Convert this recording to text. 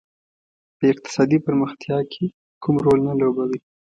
په اقتصادي پرمختیا کې کوم رول نه لوبوي.